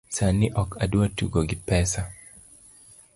Sani ok adwa tugo gi pesa